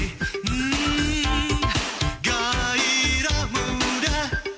hmm gairah muda